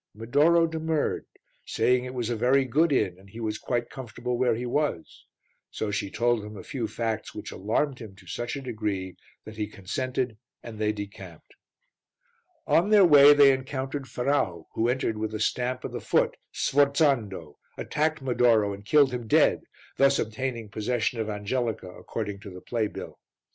Medoro demurred, saying it was a very good inn and he was quite comfortable where he was. So she told him a few facts which alarmed him to such a degree that he consented and they decamped. On their way they encountered Ferrau who entered with a stamp of the foot, sforzando, attacked Medoro and killed him dead, thus obtaining possession of Angelica according to the play bill.